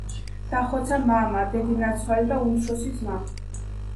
დახოცა მამა, დედინაცვალი და უმცროსი ძმა.